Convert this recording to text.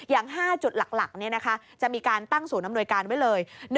๕จุดหลักจะมีการตั้งศูนย์อำนวยการไว้เลย